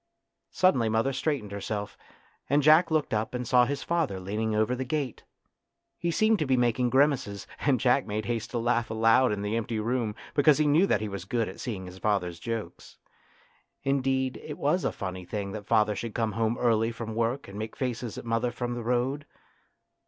Suddenly mother straightened herself, and 90 A TRAGEDY IN LITTLE Jack looked up and saw his father leaning over the gate. He seemed to be making grimaces, and Jack made haste to laugh aloud in the empty room, because he knew that he was good at seeing his father's jokes. Indeed it was a funny thing that father should come home early from work and make faces at mother from the road.